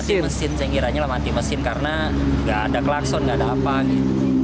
mesin mesin saya kiranya lah mati mesin karena nggak ada klakson nggak ada apa gitu